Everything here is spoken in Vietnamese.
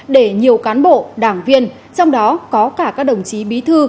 để nhiều cán bộ đảng viên trong đó có cả các đồng chí bí thư